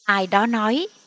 ai đó nói